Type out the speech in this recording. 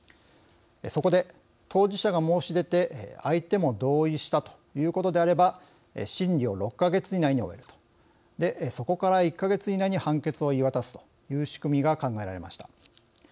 そこで、当事者が申し出て相手も同意したということであれば審理を６か月以内に終えるとそこから１か月以内に判決を言い渡すという仕組みが考えられました。